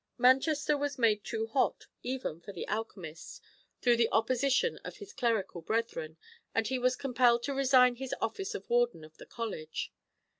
Manchester was made too hot, even for the alchemist, through the opposition of his clerical brethren, and he was compelled to resign his office of warden of the college.